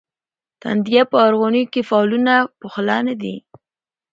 تندیه په اورغوي کې فالونه پخلا نه دي.